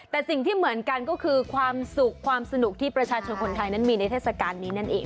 แต่สิ่งที่เหมือนกันก็คือความสุขความสนุกที่ประชาชนคนไทยนั้นมีในเทศกาลนี้นั่นเอง